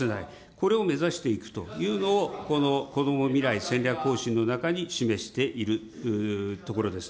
これを目指していくというのを、このこども未来戦略方針の中に示しているところです。